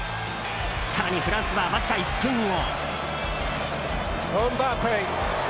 更にフランスは、わずか１分後。